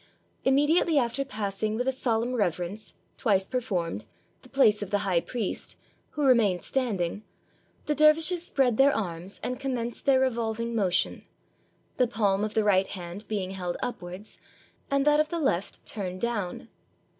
Immediately after passing with a solemn reverence, twice performed, the place of the high priest, who re mained standing, the dervishes spread their arms and commenced their revolving motion; the palm of the right hand being held upwards, and that of the left turned down.